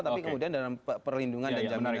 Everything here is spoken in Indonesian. tapi kemudian dalam perlindungan dan jaminan